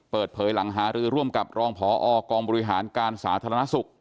เปิดเผยหลังหารือร่วมกับรองพอกองบริหารการสาธารณสุข